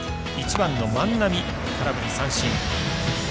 １番の万波、空振り三振。